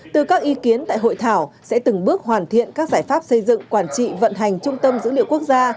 từ các ý kiến tại hội thảo sẽ từng bước hoàn thiện các giải pháp xây dựng quản trị vận hành trung tâm dữ liệu quốc gia